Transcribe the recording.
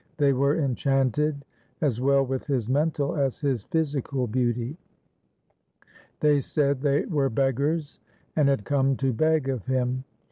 They were enchanted as well with his mental as his physical beauty. They said they were beggars and had come to beg of him.